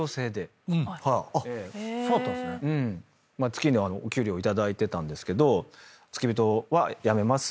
月にお給料を頂いてたんですけど付き人は辞めます。